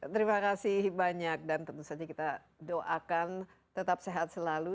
terima kasih banyak dan tentu saja kita doakan tetap sehat selalu